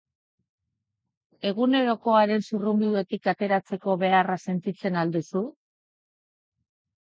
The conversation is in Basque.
Egunerokoaren zurrunbilotik ateratzeko beharra sentitzen al duzu?